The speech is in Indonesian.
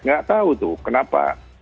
tidak tahu tuh kenapa